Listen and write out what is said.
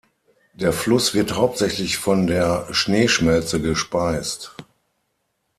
Der Fluss wird hauptsächlich von der Schneeschmelze gespeist.